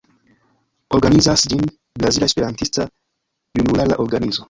Organizas ĝin Brazila Esperantista Junulara Organizo.